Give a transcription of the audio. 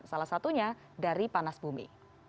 salah satunya dari panas bumi